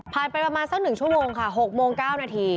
ผ่านไปประมาณ๑ชั่วโมงค่ะ๖๐๙ม